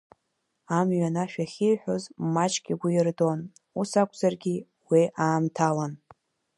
Амҩан ашәа ахьиҳәоз маҷк игәы ирдон, ус акәзаргьы, уи аамҭалан.